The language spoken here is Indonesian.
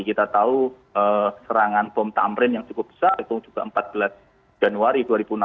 kita tahu serangan bom tamrin yang cukup besar itu juga empat belas januari dua ribu enam belas